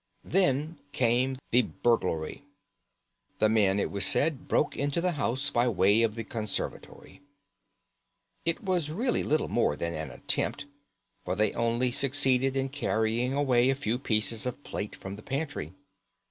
Then came the burglary. The men, it was said, broke into the house by way of the conservatory. It was really little more than an attempt, for they only succeeded in carrying away a few pieces of plate from the pantry.